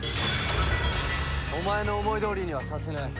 お前の思いどおりにはさせない。